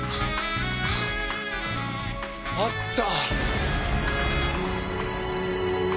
あった！